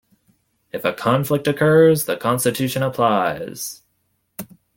If a conflict occurs, the Constitution applies.